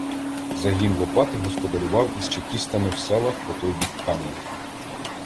Загін Лопати "господарював" із чекістами в селах по той бік Кам'янки.